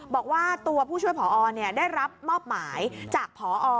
บอกว่าตัวผู้ช่วยผอได้รับมอบหมายจากพอ